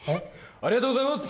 ありがとうございます！